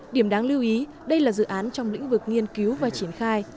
điểm đáng lưu ý đây là dự án trong lĩnh vực nghiên cứu và triển khai